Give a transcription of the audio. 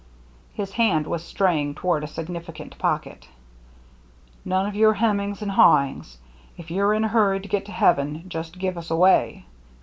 His hand was straying toward a significant pocket. " None of your hemmings and haw ings — if you're in a hurry to get to heaven, just give us away.